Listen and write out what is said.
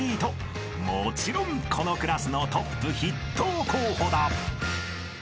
［もちろんこのクラスのトップ筆頭候補だ］